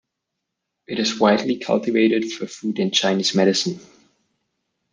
It is widely cultivated for food and Chinese medicine.